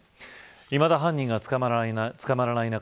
いまだ、犯人が捕まらない中